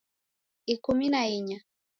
Ikumi na inya